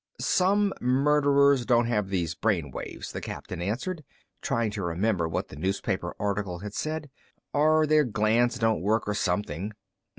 "Some murderers don't have these brain waves," the captain answered, trying to remember what the newspaper article had said. "Or their glands don't work or something."